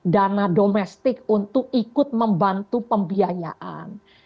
dana domestik untuk ikut membantu pembiayaan